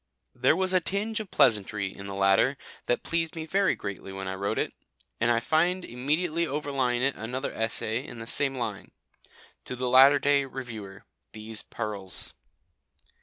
There was a tinge of pleasantry in the latter that pleased me very greatly when I wrote it, and I find immediately overlying it another essay in the same line To the Latter day Reviewer, These Pearls.